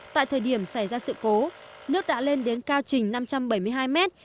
tại thời điểm xảy ra sự cố nước đã lên đến cao trình năm trăm bảy mươi hai m